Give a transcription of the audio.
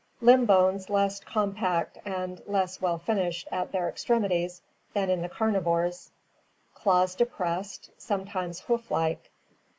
Limb bones less compact and less well finished at their extremities than in the carnivores; claws depressed, sometimes hoof like.